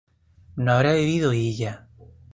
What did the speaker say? ¿no habrá bebido ella?